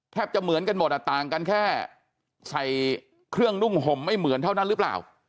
จะเหมือนกันหมดอ่ะต่างกันแค่ใส่เครื่องนุ่งห่มไม่เหมือนเท่านั้นหรือเปล่า